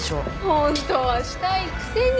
ホントはしたいくせに。